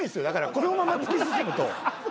このまま突き進むと。